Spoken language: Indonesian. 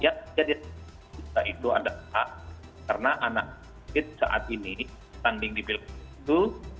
ya jadi itu ada hak karena anak anak saat ini standing di pilkada itu